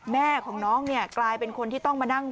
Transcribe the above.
แม่ของน้องเนี่ยกลายเป็นคนที่ต้องมานั่ง